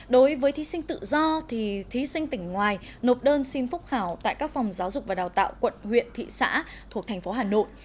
đối với thí sinh tự do thì thí sinh tỉnh ngoài nộp đơn xin phúc khảo tại các phòng giáo dục và đào tạo quận huyện thị xã thuộc thành phố hà nội